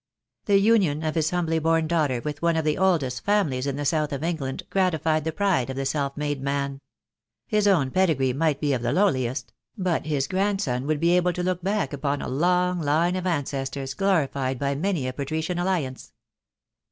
The union of his humbly born daughter with one of the oldest families in the south of England gratified the pride of the self made man. His own pedi gree might be of the lowliest; but his grandson would be able to look back upon a long line of ancestors, glori fied by many a patrician alliance.